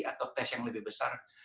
atau tes yang lebih besar